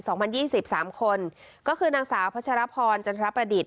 พันยี่สิบสามคนก็คือนางสาวพัชรพรจันทรประดิษฐ